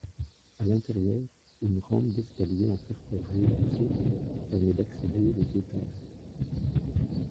A l'intérieur, une rampe d'escalier en fer forgé du siècle permet d'accéder aux étages.